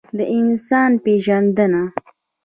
د انسان پېژندنه.